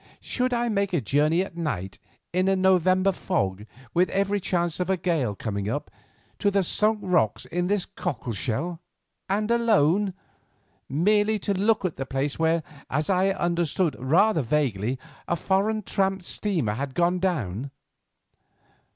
"Should I make a journey at night, in a November fog, with every chance of a gale coming up, to the Sunk Rocks in this cockle shell, and alone, merely to look at the place where, as I understood rather vaguely, a foreign tramp steamer had gone down?"